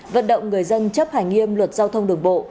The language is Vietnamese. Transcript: vận động người dân chấp hành nghiêm luật giao thông đường bộ